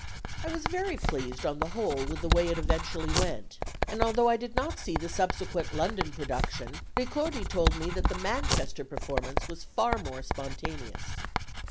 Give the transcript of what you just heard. I was very pleased on the whole with the way it eventually went, and although I did not see the subsequent London production, Ricordi told me that the Manchester performance was far more spontaneous."